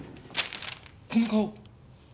この顔。